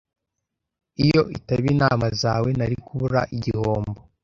Iyo itaba inama zawe, nari kubura igihombo.